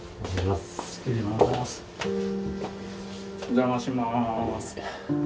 お邪魔します。